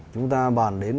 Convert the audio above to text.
chúng ta bàn đến